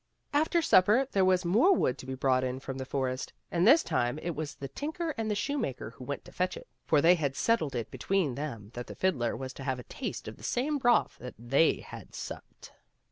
After supper there was more wood to be brought in from the forest, and this time it was the tinker and the shoemaker who went to fetch it, for they had settled it between them that the fiddler was to have a taste of the same broth that they had supped.